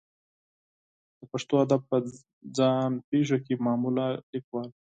د پښتو ادب په ځان پېښو کې معمولا لیکوال